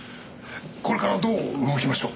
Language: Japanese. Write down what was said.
これからどう動きましょう。